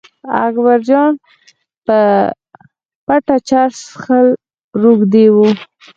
اکبرجان به په پټه چرس څښل روږدي و.